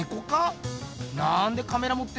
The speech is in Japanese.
なんでカメラもってんだ？